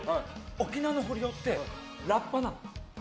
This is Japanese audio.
沖縄の不良ってラッパなの。